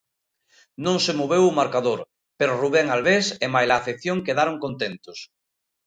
Non se moveu o marcador, pero Rubén Albés e maila afección quedaron contentos.